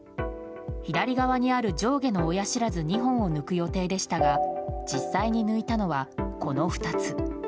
左側にある上下の親知らず２本を抜く予定でしたが実際に抜いたのは、この２つ。